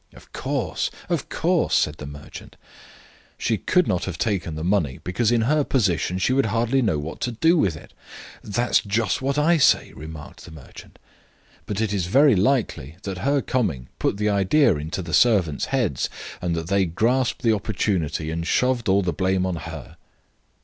"Of course, of course," said the merchant. "She could not have taken the money, because in her position she would hardly know what to do with it." "That's just what I say," remarked the merchant. "But it is very likely that her coming put the idea into the servants' heads and that they grasped the opportunity and shoved all the blame on her."